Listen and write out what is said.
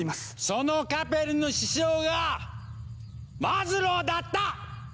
そのカペルの師匠がマズローだった！